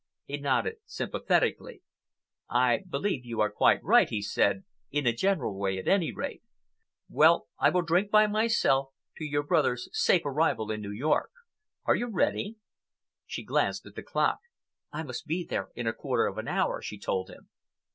He nodded sympathetically. "I believe you are quite right," he said; "in a general way, at any rate. Well, I will drink by myself to your brother's safe arrival in New York. Are you ready?" She glanced at the clock. "I must be there in a quarter of an hour," she told him.